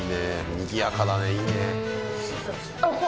にぎやかだね。いいね。